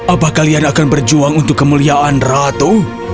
apa kalian akan berjuang untuk kemuliaan ratu